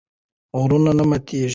غرور نه ماتېږي.